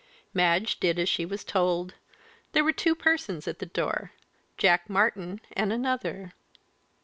Madge did as she was told. There were two persons at the door Jack Martyn and another.